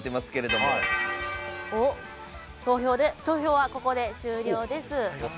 投票はここで終了です。